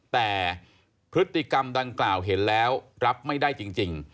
แต่พฤติกรรมดังกล่าวเห็นแล้วรับไม่ได้จริง